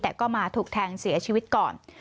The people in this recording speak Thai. แต่ก็มาถูกแทงเสียชีวิตก่อน